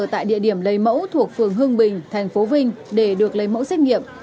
tại địa điểm lấy mẫu thuộc phường hương bình thành phố vinh để được lấy mẫu xét nghiệm